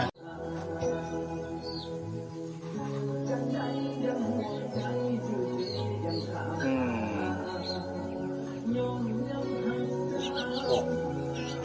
โอ้โห